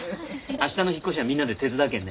明日の引っ越しはみんなで手伝うけんね。